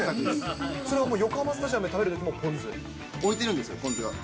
それはもう横浜スタジアムで食べ置いてるんですよ、ポン酢が。